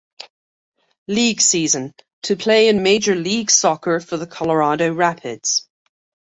League season to play in Major League Soccer for the Colorado Rapids.